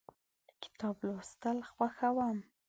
د کتاب لوستل خوښوم.